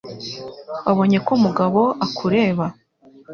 Wabonye ko Mugabo akureba?